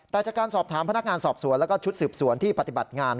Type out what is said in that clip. แต่จากการสอบถามพนักงานสอบสวนแล้วก็ชุดสืบสวนที่ปฏิบัติงาน